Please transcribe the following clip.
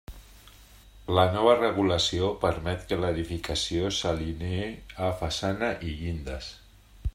La nova regulació permet que l'edificació s'alinee a façana i llindes.